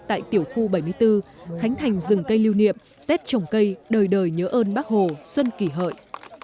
tại tiểu khu bảy mươi bốn khánh thành rừng cây lưu niệm tết trồng cây đời đời nhớ ơn bác hồ xuân kỷ hợi